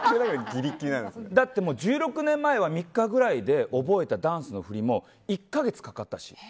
だって１６年前は３日ぐらいで覚えたダンスの振りも１か月かかったし。